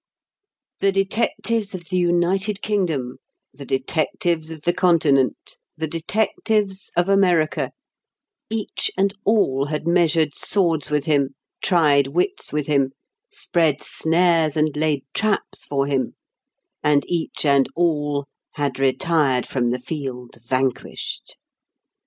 The detectives of the United Kingdom, the detectives of the Continent, the detectives of America each and all had measured swords with him, tried wits with him, spread snares and laid traps for him, and each and all had retired from the field vanquished.